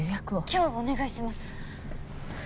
今日お願いします。